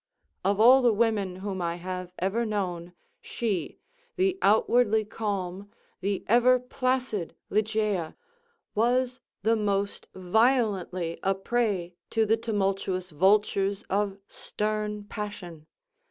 Of all the women whom I have ever known, she, the outwardly calm, the ever placid Ligeia, was the most violently a prey to the tumultuous vultures of stern passion.